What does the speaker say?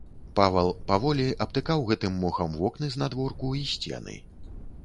Павал паволі абтыкаў гэтым мохам вокны знадворку і сцены.